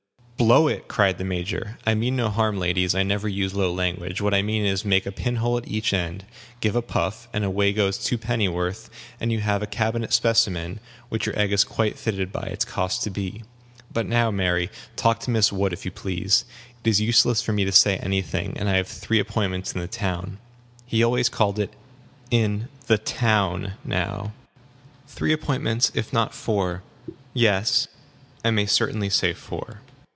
"Blow it!" cried the Major. "I mean no harm, ladies. I never use low language. What I mean is, make a pinhole at each end, give a puff, and away goes two pennyworth, and you have a cabinet specimen, which your egg is quite fitted by its cost to be. But now, Mary, talk to Miss Wood, if you please. It is useless for me to say any thing, and I have three appointments in the town" he always called it "the town" now "three appointments, if not four; yes, I may certainly say four.